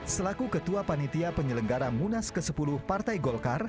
selaku ketua panitia penyelenggara munas ke sepuluh partai golkar